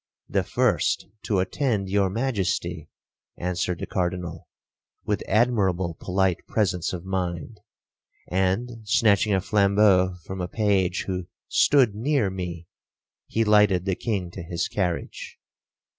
'—'The first to attend your Majesty,' answered the Cardinal, with admirable polite presence of mind; and, snatching a flambeau from a page who stood near me, he lighted the King to his carriage.'